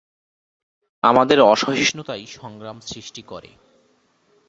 আমাদের অসহিষ্ণুতাই সংগ্রাম সৃষ্টি করে।